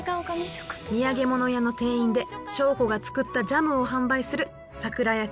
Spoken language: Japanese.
土産物屋の店員で祥子が作ったジャムを販売するさくら役